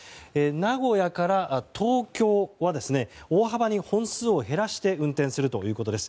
名古屋から東京は大幅に本数を減らして運転するということです。